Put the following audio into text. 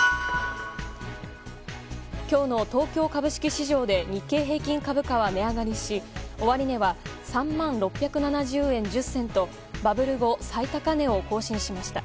今日の東京株式市場で日経平均株価は値上がりし終値は３万６７０円１０銭とバブル後最高値を更新しました。